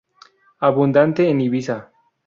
Abundante en Ibiza.